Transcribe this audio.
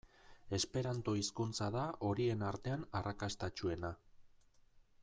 Esperanto hizkuntza da horien artean arrakastatsuena.